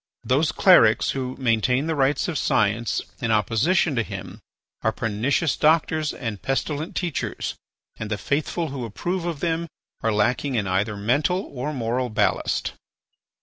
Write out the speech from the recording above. Those clerics who maintain the rights of science in opposition to him are pernicious doctors and pestilent teachers, and the faithful who approve of them are lacking in either mental or moral ballast.